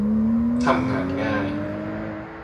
ทำงานง่าย